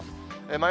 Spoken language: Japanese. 真夜